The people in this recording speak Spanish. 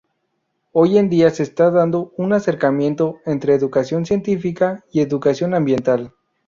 Hoy en día se está dando un acercamiento entre educación científica y educación ambiental.